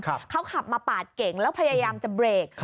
เขาขับมาปาดเก่งแล้วพยายามจะเบรก